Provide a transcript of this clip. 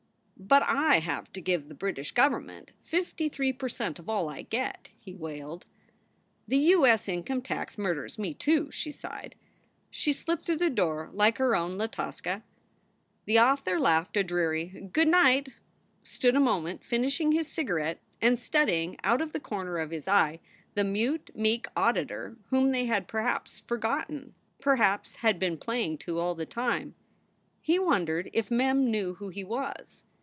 "But I have to give the British government fifty three per cent of all I get," he wailed. 11 The U. S. income tax murders me, too," she sighed. She slipped through the door like her own La Tosca. The author laughed a dreary "Good night! " stood a moment finishing his cigarette and studying out of the corner of his SOULS FOR SALE 73 eye the mute, meek auditor whom they had perhaps for gotten; perhaps had been playing to all the time. He wondered if Mem knew who he was.